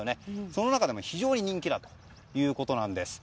その中でも非常に人気だということです。